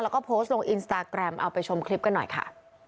แล้วก็โพสต์ลงอินสตาแกรมเอาไปชมคลิปกันหน่อยค่ะ